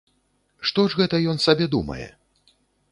Што ж гэта ён сабе думае?